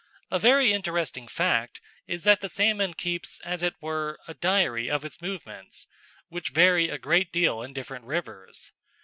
A very interesting fact is that the salmon keeps as it were a diary of its movements, which vary a good deal in different rivers.